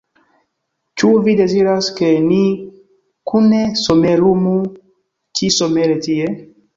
Ĉu vi deziras, ke ni kune somerumu ĉi-somere tie?